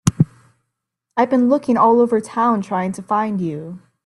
I've been looking all over town trying to find you.